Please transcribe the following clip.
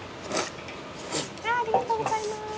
ありがとうございます。